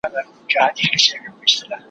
په دريو مياشتو كي به لاس درنه اره كړي